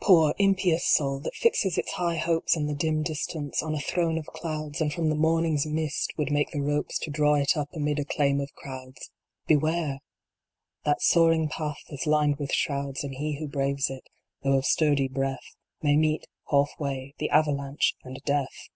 TDOOR, impious Soul ! that fixes its high hopes In the dim distance, on a throne of clouds, And from the morning s mist would make the ropes To draw it up amid acclaim of crowds Beware ! That soaring path is lined with shrouds ; And he who braves it, though of sturdy breath, May meet, half way, the avalanche and death